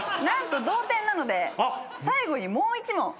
何と同点なので最後にもう１問。